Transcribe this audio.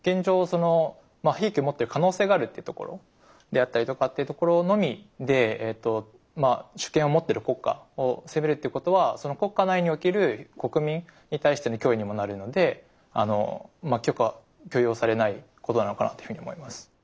その兵器を持ってる可能性があるっていうところであったりとかっていうところのみで主権を持ってる国家を攻めるっていうことはその国家内における国民に対しての脅威にもなるので許可許容されないことなのかなというふうに思います。